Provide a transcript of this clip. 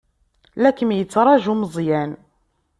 La kem-yettṛaju Meẓyan.